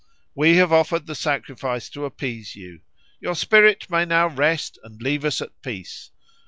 We have offered the sacrifice to appease you. Your spirit may now rest and leave us at peace.